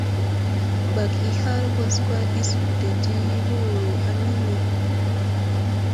Bak ihar kwaskwa i suvde di newuro a Mimi.